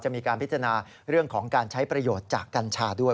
มีการพิจารณาเรื่องของการใช้ประโยชน์จากกัญชาด้วย